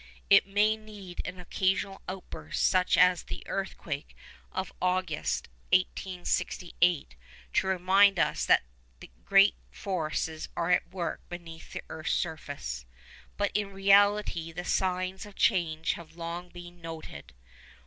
It may need an occasional outburst such as the earthquake of August 1868 to remind us that great forces are at work beneath the earth's surface. But, in reality, the signs of change have long been noted.